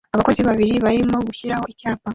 Abakozi babiri barimo gushyiraho icyapa